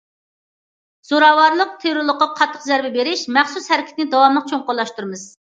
زوراۋانلىق، تېررورلۇققا قاتتىق زەربە بېرىش مەخسۇس ھەرىكىتىنى داۋاملىق چوڭقۇرلاشتۇرىمىز.